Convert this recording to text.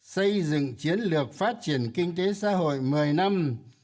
xây dựng chiến lược phát triển kinh tế xã hội một mươi năm